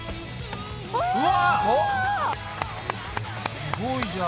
すごいじゃん。